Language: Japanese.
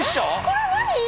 これ何？